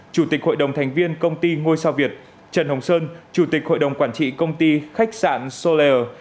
chủ tịch hội đồng thành viên công ty ngôi sao việt trần hồng sơn chủ tịch hội đồng quản trị công ty khách sạn sole